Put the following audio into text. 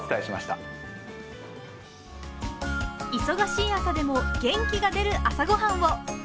忙しい朝でも元気が出る朝ごはんを。